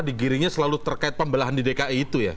digiringnya selalu terkait pembelahan di dki itu ya